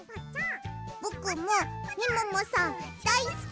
「ぼくもみももさんだいすき！」